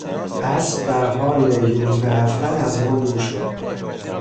اسب در حال یورتمه رفتن از ما دور شد.